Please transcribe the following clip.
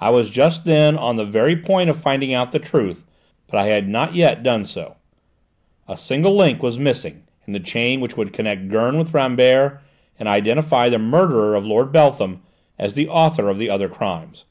I was just then on the very point of finding out the truth, but I had not yet done so. A single link was missing in the chain which would connect Gurn with Rambert, and identify the murderer of Lord Beltham as the author of the other crimes.